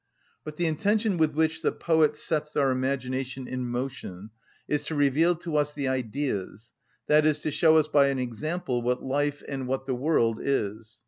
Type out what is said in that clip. But the intention with which the poet sets our imagination in motion is to reveal to us the Ideas, i.e., to show us by an example what life and what the world is.